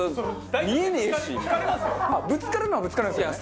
ぶつかるのはぶつかるんですよね。